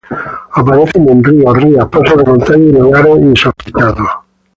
Aparecen en ríos, rías, pasos de montaña y lugares ‘insospechados’.